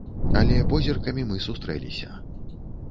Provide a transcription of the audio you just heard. Але позіркамі мы сустрэліся.